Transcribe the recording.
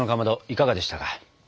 いかがでしたか？